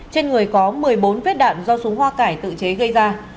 trên người có một mươi bốn viết đạn do súng hoa cải tự chế gây ra